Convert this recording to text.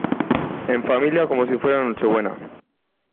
en familia, como si fuera Nochebuena.